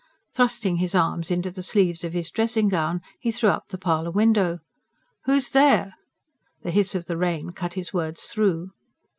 Thrusting his arms into the sleeves of his dressing gown, he threw up the parlour window. "Who's there?" The hiss of the rain cut his words through.